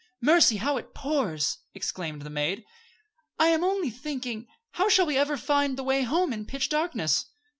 "Mercy! how it pours!" exclaimed the maid. "I am only thinking how shall we ever find the way home in pitch darkness?"